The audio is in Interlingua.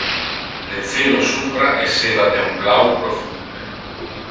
Le celo supra esseva de un blau profunde.